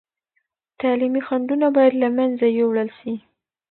تعلیمي خنډونه باید له منځه یوړل سي.